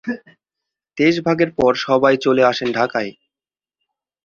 দেশভাগের পর সবাই চলে আসেন ঢাকায়।